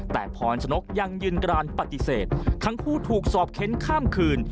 แต่พรชนกยังยืนกรานปฏิเสธทั้งคู่ถูกสอบเค้นข้ามคืน